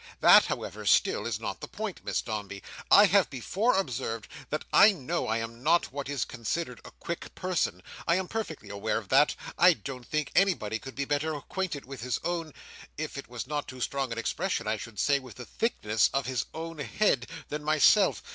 That, however, still, is not the point. Miss Dombey, I have before observed that I know I am not what is considered a quick person. I am perfectly aware of that. I don't think anybody could be better acquainted with his own—if it was not too strong an expression, I should say with the thickness of his own head—than myself.